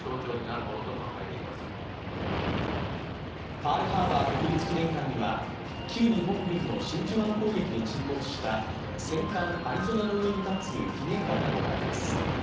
パールハーバー国立記念館には旧日本軍の真珠湾攻撃で沈没した戦艦「アリゾナ」の上に建つ記念館などがあります。